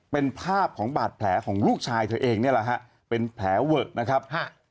เป็นภาพของบาดแผลของลูกชายเธอเองนี่แหละฮะเป็นแผลเวอะนะครับ